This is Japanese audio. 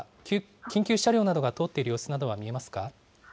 緊急車両などが通っている様子などは見えますか。